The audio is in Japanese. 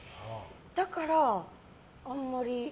だから、あまり。